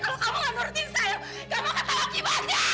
kalau kamu gak ngurutin saya kamu akan takut kibahnya